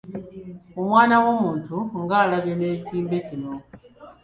Omwana w’omuntu nga alabye n’ekimbe kino!